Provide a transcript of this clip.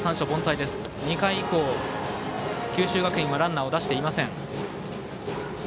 ２回以降、九州学院はランナーを出していません。